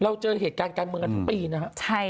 เจอเหตุการณ์การเมืองกันทั้งปีนะครับ